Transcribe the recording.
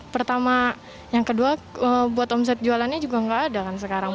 pertama yang kedua buat omset jualannya juga nggak ada kan sekarang